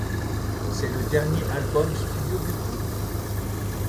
C'est le dernier album studio du groupe.